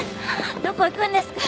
どこ行くんですか！